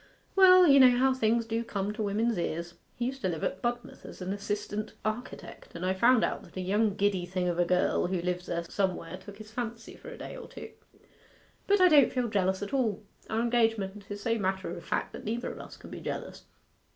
'Well, you know how things do come to women's ears. He used to live at Budmouth as an assistant architect, and I found out that a young giddy thing of a girl who lives there somewhere took his fancy for a day or two. But I don't feel jealous at all our engagement is so matter of fact that neither of us can be jealous.